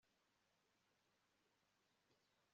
ba minisitiri, ngomba kubaha bose